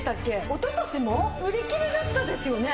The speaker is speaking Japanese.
おととしも売り切れだったですよね？